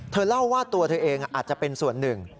เล่าว่าตัวเธอเองอาจจะเป็นส่วนหนึ่ง